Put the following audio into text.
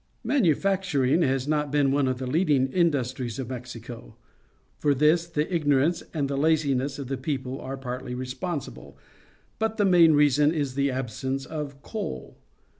Manufacturing has not been one of the leading industries of [Mexico. For this the ignorance and the laziness of the people are partly responsible, but the main reason is the absence of coal.